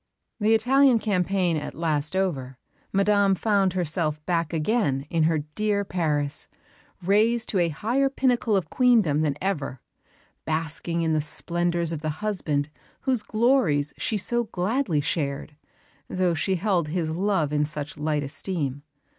The Italian campaign at last over, Madame found herself back again in her dear Paris, raised to a higher pinnacle of Queendom than ever, basking in the splendours of the husband whose glories she so gladly shared, though she held his love in such light esteem.